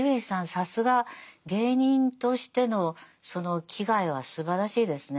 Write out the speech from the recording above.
さすが芸人としてのその気概はすばらしいですね。